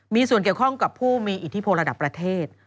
มีส่วนเกี่ยวข้องกับผู้มีอิทธิพลระดับประเทศ